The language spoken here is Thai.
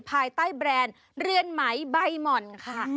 ภายใต้แบรนด์เรือนไหมใบหม่อนค่ะ